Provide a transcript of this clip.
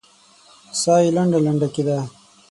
ساه يې لنډه لنډه کېده.